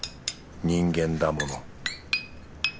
人間だもの。